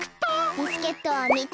ビスケットは３つ！